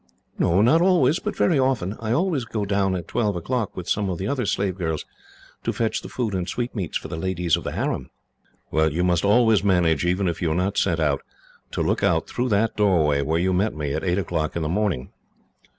"Not always, but very often. I always go down at twelve o'clock, with some of the other slave girls, to fetch the food and sweetmeats for the ladies of the harem." "Well, you must always manage, even if you are not sent out, to look out through that doorway where you met me, at eight o'clock in the morning.